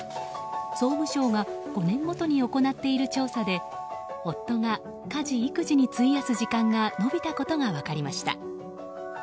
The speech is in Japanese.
総務省が５年ごとに行っている調査で夫が家事・育児に費やす時間が伸びたことが分かりました。